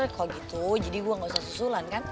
kalau gitu jadi gue gak usah susulan kan